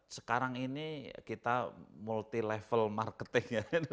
sekarang ini kita multi level marketing ya